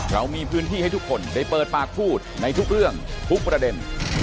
เรามีพื้นที่ให้ทุกคนได้เปิดปากพูดในทุกเรื่องทุกประเด็น